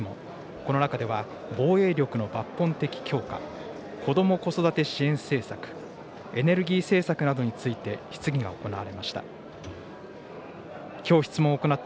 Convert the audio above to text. この中では、防衛力の抜本的強化、こども・子育て支援政策、エネルギー政策などについて質疑が行われました。